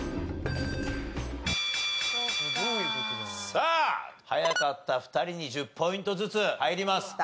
さあ早かった２人に１０ポイントずつ入ります。